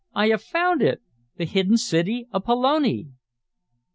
I have found it! The hidden city of Pelone!"